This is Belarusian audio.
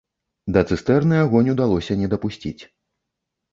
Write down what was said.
Да цыстэрны агонь удалося не дапусціць.